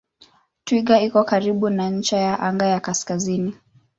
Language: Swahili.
Twiga iko karibu na ncha ya anga ya kaskazini.